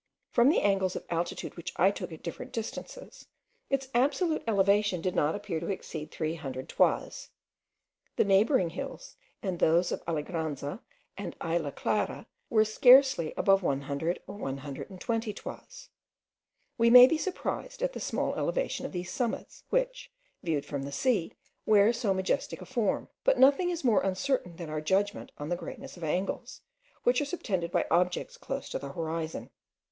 From the angles of altitude which I took at different distances, its absolute elevation did not appear to exceed three hundred toises. The neighbouring hills, and those of Alegranza and Isla Clara, were scarcely above one hundred or one hundred and twenty toises. We may be surprised at the small elevation of these summits, which, viewed from the sea, wear so majestic a form; but nothing is more uncertain than our judgment on the greatness of angles, which are subtended by objects close to the horizon.